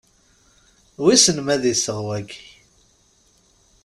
Wissen ma d iseɣ, wagi?